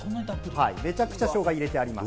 めちゃくちゃ、しょうが入れてあります。